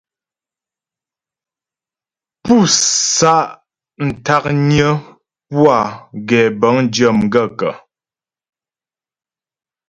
Pú sá'ntǎknyə́ pú a gɛbə̌ŋdyə́ m gaə̂kə́ ?